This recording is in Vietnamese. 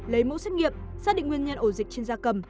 lấy mẫu xét nghiệm xác định nguyên nhân ổ dịch trên da cầm